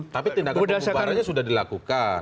tapi tindakan pembubarannya sudah dilakukan